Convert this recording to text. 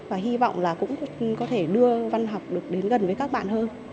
và hy vọng là cũng có thể đưa văn học được đến gần với các bạn hơn